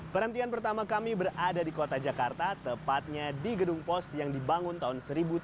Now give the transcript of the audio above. perhentian pertama kami berada di kota jakarta tepatnya di gedung pols yang dibangun tahun seribu tujuh ratus empat puluh enam